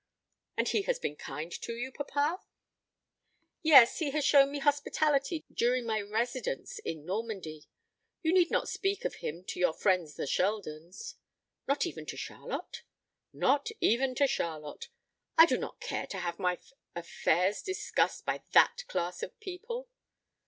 "And he has been kind to you, papa?" "Yes, he has shown me hospitality during my residence in Normandy. You need not speak of him to your friends the Sheldons." "Not even to Charlotte?" "Not even to Charlotte. I do not care to have my affairs discussed by that class of people."